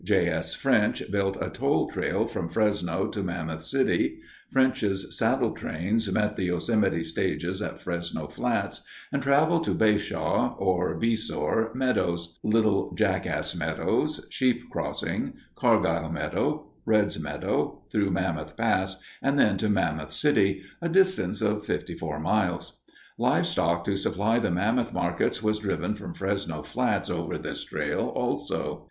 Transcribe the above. J. S. French built a toll trail from Fresno to Mammoth City. French's saddle trains met the Yosemite stages at Fresno Flats, and traveled to Basaw (or Beasore) Meadows, Little Jackass Meadows, Sheep Crossing, Cargyle Meadow, Reds Meadow, through Mammoth Pass, and then to Mammoth City, a distance of fifty four miles. Livestock to supply the Mammoth markets was driven from Fresno Flats over this trail, also.